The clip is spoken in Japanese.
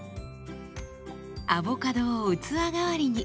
アボカドを器代わりに。